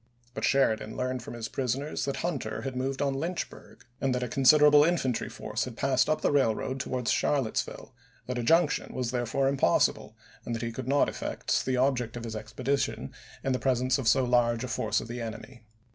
But Sheridan learned from his prisoners that Hunter had moved on Lynchburg and that a con 406 ABKAHAM LINCOLN June, 1864. ch. xviii. siderable infantry force had passed up the railroad towards Charlottesville ; that a junction was there fore impossible, and that he could not effect the object of his expedition in the presence of so large a force of the enemy.